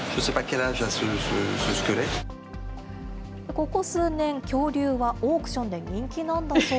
ここ数年、恐竜はオークションで人気なんだそう。